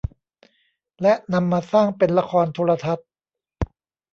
และนำมาสร้างเป็นละครโทรทัศน์